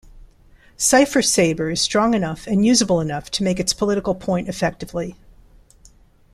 CipherSaber is strong enough and usable enough to make its political point effectively.